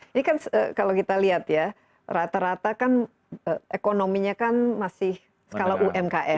ini kan kalau kita lihat ya rata rata kan ekonominya kan masih skala umkm